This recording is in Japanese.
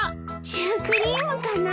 シュークリームかな。